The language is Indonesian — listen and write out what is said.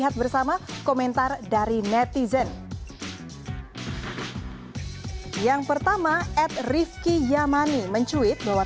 terima kasih pak joko widodo